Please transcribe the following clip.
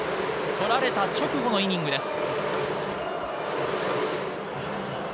取られた直後のイニングです。